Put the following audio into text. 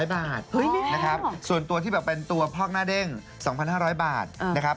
๐บาทนะครับส่วนตัวที่แบบเป็นตัวพอกหน้าเด้ง๒๕๐๐บาทนะครับ